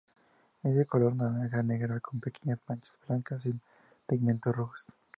Es de color naranja, negro con pequeñas manchas blancas y pigmentos rojos.